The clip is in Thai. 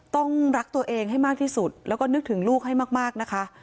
ต้องรักตัวเองให้มากที่สุดแล้วก็นึกถึงลูกให้มากนะคะ